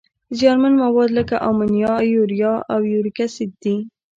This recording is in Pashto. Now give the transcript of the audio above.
زیانمن مواد لکه امونیا، یوریا او یوریک اسید دي.